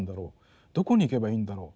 どこに行けばいいんだろう